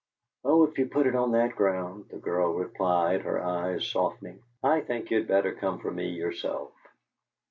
"Oh, if you put it on that ground," the girl replied, her eyes softening, "I think you'd better come for me yourself."